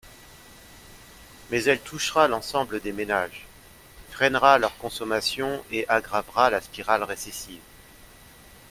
Mais elle touchera l’ensemble des ménages, freinera leur consommation et aggravera la spirale récessive.